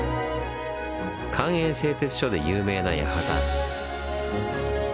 官営製鐵所で有名な八幡。